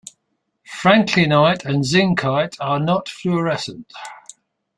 Franklinite and zincite are not fluorescent.